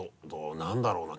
何だろうな？